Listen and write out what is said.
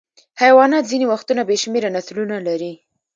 حیوانات ځینې وختونه بې شمېره نسلونه لري.